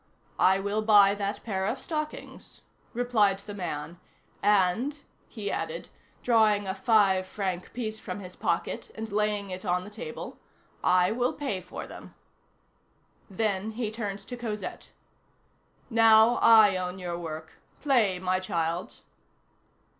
"I will buy that pair of stockings," replied the man, "and," he added, drawing a five franc piece from his pocket, and laying it on the table, "I will pay for them." Then he turned to Cosette. "Now I own your work; play, my child."